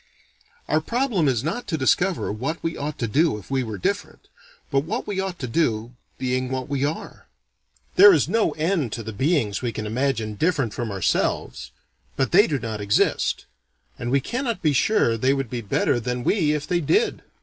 "Our problem is not to discover what we ought to do if we were different, but what we ought to do, being what we are. There is no end to the beings we can imagine different from ourselves; but they do not exist," and we cannot be sure they would be better than we if they did.